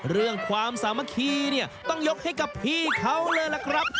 เรื่องความสามัคคีเนี่ยต้องยกให้กับพี่เขาเลยล่ะครับ